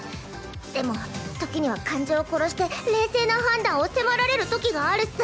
でも時には感情を殺して冷静な判断を迫られるときがあるっス。